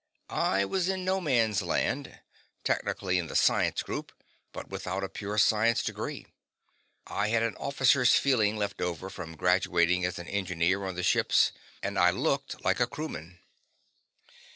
I was in no man's land technically in the science group, but without a pure science degree; I had an officer's feelings left over from graduating as an engineer on the ships; and I looked like a crewman.